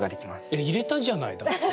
いや入れたじゃないだって。